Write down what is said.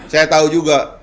saya tahu juga